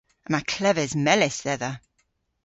Yma kleves melys dhedha.